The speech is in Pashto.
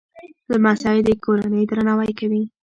لمسی د کورنۍ درناوی کوي.